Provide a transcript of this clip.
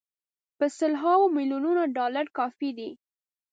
په سل هاوو میلیونه ډالر کافي دي.